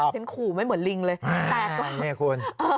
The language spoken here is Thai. เซ็นต์ขู่ไม่เหมือนลิงเลย